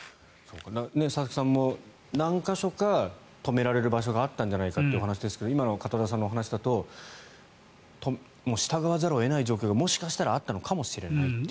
佐々木さんも何か所か止められる場所があったんじゃないかというお話ですが今の片田さんのお話ですと従わざるを得ない状況がもしかしたらあったのかもしれないという。